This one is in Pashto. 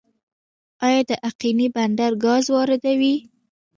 آیا د اقینې بندر ګاز واردوي؟